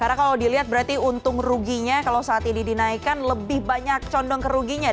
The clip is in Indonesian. karena kalau dilihat berarti untung ruginya kalau saat ini dinaikkan lebih banyak condong keruginya